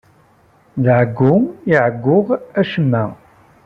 D ɛeyyu i ɛeyyuɣ acemma.